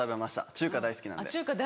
中華大好きなんだ